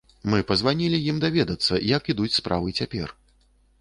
Мы пазванілі ім даведацца, як ідуць справы цяпер.